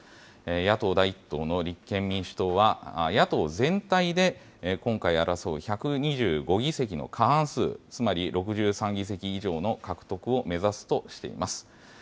野党第１党の立憲民主党は、野党全体で今回争う１２５議席の過半数、つまり６３議席以上の獲得を目指すとしています。